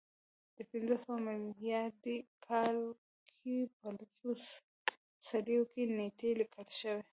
د پنځه سوه میلادي کال کې په لږو څلیو کې نېټې لیکل شوې